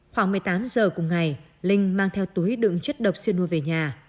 khoảng một mươi tám h cùng ngày linh mang theo túi đựng chất độc xia nùa về nhà